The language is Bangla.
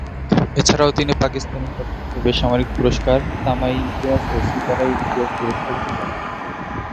এছাড়াও তিনি পাকিস্তানি সর্বোচ্চ বেসামরিক পুরস্কার তামা-ই-ইমতিয়াজ এবং সিতারা-ই-ইমতিয়াজ পুরস্কার জিতে নেন।